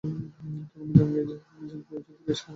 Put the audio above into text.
তখন মিজান পেছন থেকে এসে হালিমকে ঘুষি মারেন বলে দাবি করা হয়।